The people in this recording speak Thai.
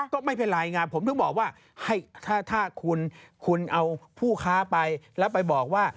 ก็ไม่เป็นไรไงผมถึงบอกว่าถ้าคุณเอาผู้ค้าไปแล้วไปบอกว่า